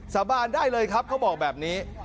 สาบานได้เลยครับเขาบอกแบบนี้